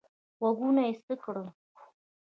غوږونه یې څک کړل.